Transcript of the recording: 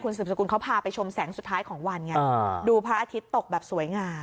สืบสกุลเขาพาไปชมแสงสุดท้ายของวันไงดูพระอาทิตย์ตกแบบสวยงาม